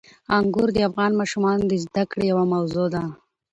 انګور د افغان ماشومانو د زده کړې یوه موضوع ده.